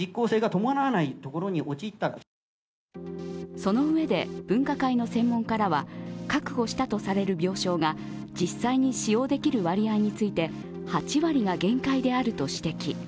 そのうえで分科会の専門家らは確保したとされる病床が実際に利用できる割合について８割が限界であると指摘。